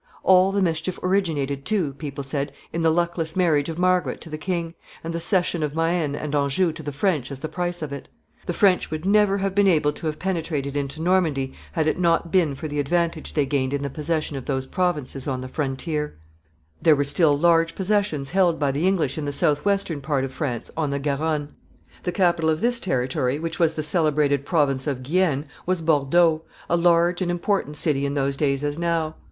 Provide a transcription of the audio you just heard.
All the mischief originated, too, people said, in the luckless marriage of Margaret to the king, and the cession of Maine and Anjou to the French as the price of it. The French would never have been able to have penetrated into Normandy had it not been for the advantage they gained in the possession of those provinces on the frontier. [Illustration: View of Bordeaux.] [Sidenote: Guienne.] There were still large possessions held by the English in the southwestern part of France on the Garonne. The capital of this territory, which was the celebrated province of Guienne, was Bordeaux, a large and important city in those days as now.